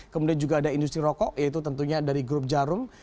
kemudian juga ada industri rokok yaitu tentunya dari grup jarum